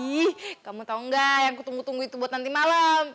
ih kamu tau nggak yang kutunggu tunggu itu buat nanti malam